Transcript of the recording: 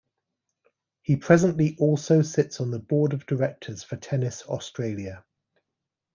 He presently also sits on the Board of Directors for Tennis Australia.